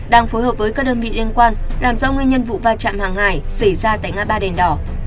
đang phối hợp với các đơn vị liên quan làm rõ nguyên nhân vụ va chạm hàng hải xảy ra tại ngã ba đền đỏ